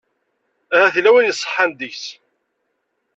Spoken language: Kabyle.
Ahat yella wayen iṣeḥḥan deg-s.